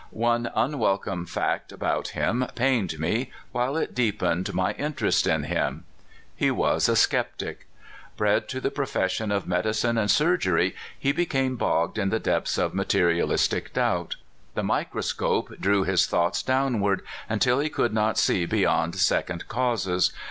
One unwelcome fact about him pained me, while it deepened my inter est in him. He was a skeptic. Bred to the profession of medicine and surgery, he became bogged in the depths of materialistic doubt. The microscope drew his thoughts downward until he could not see beyond second causes.